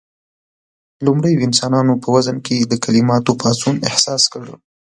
لومړيو انسانانو په وزن کې د کليماتو پاڅون احساس کړ.